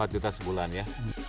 empat juta sebulan ya